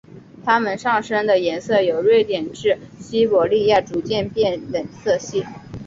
它们上身的颜色由瑞典至西伯利亚逐渐变冷色系。